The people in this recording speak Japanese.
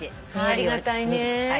ありがたいね。